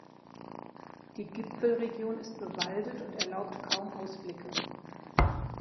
Die Gipfelregion ist bewaldet und erlaubt kaum Ausblicke.